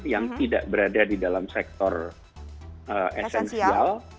yang tidak berada di dalam sektor esensial